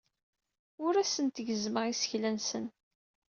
Ur asent-gezzmeɣ isekla-nsen.